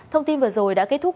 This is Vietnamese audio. thông tin vừa rồi đã kết thúc